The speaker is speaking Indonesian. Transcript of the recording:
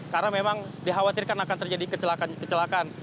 karena memang dikhawatirkan akan terjadi kecelakaan